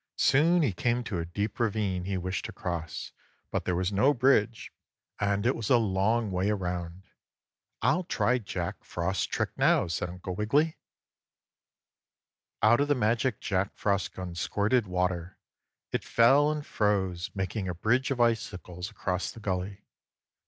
Soon he came to a deep ravine he wished to cross, but there was no bridge and it was a long way around. "I'll try Jack Frost's trick now," said Uncle Wiggily. 3. Out of the magic Jack Frost gun squirted water. It fell and froze, making a bridge of icicles across the gully.